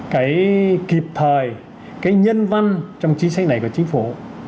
cái kịp thời cái nhân văn trong chính sách này của chính phủ